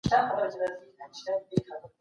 بلوخاني سي